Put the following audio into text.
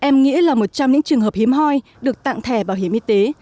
đây là một trong những trường hợp hiếm hoi được tặng thẻ bảo hiểm y tế